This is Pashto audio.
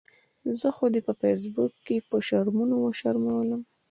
زه خو دې په فیسبوک کې په شرمونو وشرمؤلم